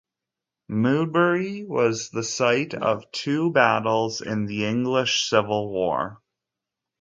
Modbury was the site of two battles in the English Civil War.